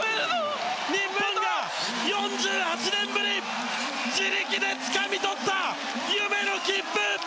日本が４８年ぶり自力でつかみ取った夢の切符！